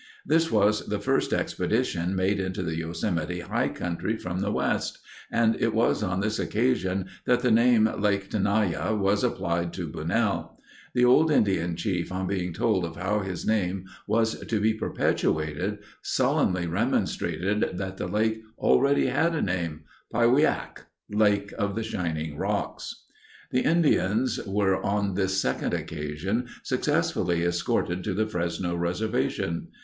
This was the first expedition made into the Yosemite high country from the west, and it was on this occasion that the name Lake Tenaya was applied by Bunnell. The old Indian chief, on being told of how his name was to be perpetuated, sullenly remonstrated that the lake already had a name, "Py we ack"—Lake of the Shining Rocks. The Indians were on this second occasion successfully escorted to the Fresno reservation.